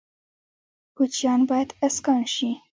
کوچیان باید اسکان شي